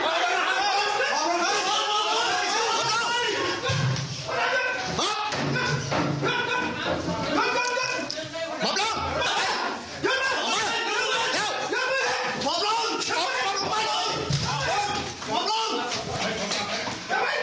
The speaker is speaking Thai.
ถ้าเจ้ายังได้ยิงพันล้านโน้ทต้องจับสู่แผ่นในหน้าอยู่เหมือนที่ใจ